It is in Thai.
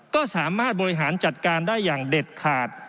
ก็สามารถบริหารจัดการได้อย่างเด็ดขาด